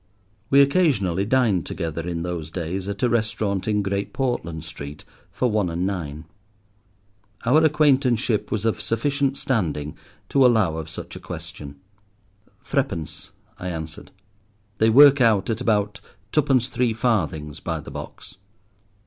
We occasionally dined together, in those days, at a restaurant in Great Portland Street, for one and nine. Our acquaintanceship was of sufficient standing to allow of such a question. "Threepence," I answered. "They work out at about twopence three farthings by the box."